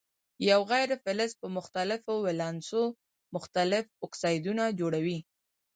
یو غیر فلز په مختلفو ولانسو مختلف اکسایدونه جوړوي.